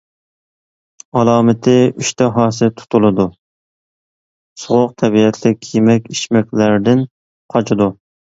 ئالامىتى ئىشتىھاسى تۇتۇلىدۇ، سوغۇق تەبىئەتلىك يېمەك-ئىچمەكلەردىن قاچىدۇ.